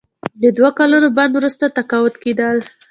د دوه کلونو بند وروسته تقاعد کیدل.